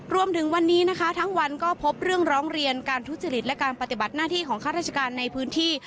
รวมถึงวันนี้นะคะทั้งวันก็พบเรื่องร้องเรียนการทุจริตและการปฏิบัติหน้าที่ของข้าราชการในพื้นที่